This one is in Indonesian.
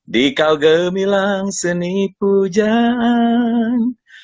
dikau gemilang seni pujaan